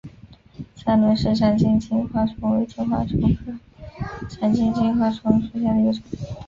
三轮氏长颈金花虫为金花虫科长颈金花虫属下的一个种。